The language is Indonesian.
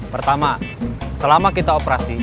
pertama selama kita operasi